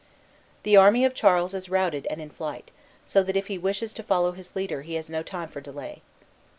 The army of Charles is routed and in flight, so that if he wishes to follow his leader he has no time for delay."